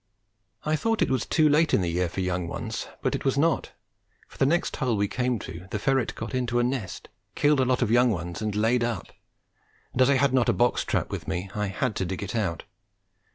I thought it was too late in the year for young ones, but it was not, for at the next hole we came to the ferret got into a nest, killed a lot of young ones and "laid up," and, as I had not a box trap with me, I had to dig it out.